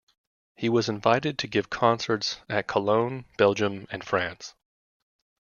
He was invited to give concerts at Cologne, Belgium and France.